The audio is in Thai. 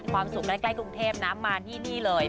ความสุขใกล้กรุงเทพนะมาที่นี่เลย